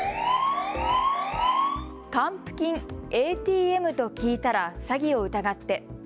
還付金、ＡＴＭと聞いたら詐欺を疑って。